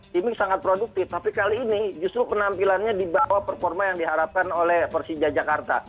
timing sangat produktif tapi kali ini justru penampilannya di bawah performa yang diharapkan oleh persija jakarta